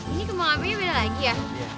ini kemauannya beda lagi ya